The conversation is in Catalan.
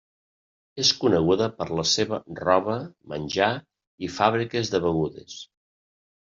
És coneguda per la seva roba, menjar i fàbriques de begudes.